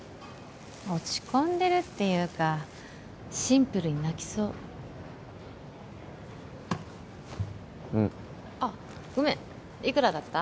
落ち込んでるっていうかシンプルに泣きそうんあっごめんいくらだった？